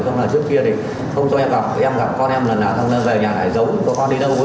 không là trước kia thì không cho em gặp em gặp con em lần nào thằng về nhà lại giấu